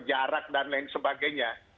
jarak dan lain sebagainya